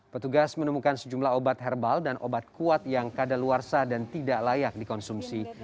petugas menemukan sejumlah obat herbal dan obat kuat yang kadaluarsa dan tidak layak dikonsumsi